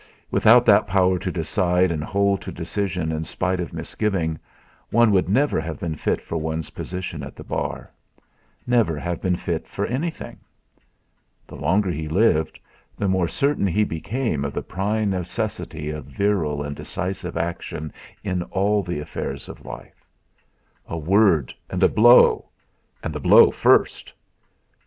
Without that power to decide and hold to decision in spite of misgiving, one would never have been fit for one's position at the Bar, never have been fit for anything. The longer he lived, the more certain he became of the prime necessity of virile and decisive action in all the affairs of life. A word and a blow and the blow first!